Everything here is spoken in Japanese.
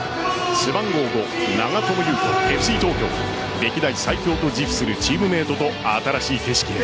背番号５・長友佑都ＦＣ東京歴代最強と自負するチームメートと新しい景色へ。